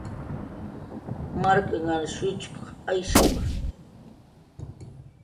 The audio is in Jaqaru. "Marknhan shutxp""q Ayshawa."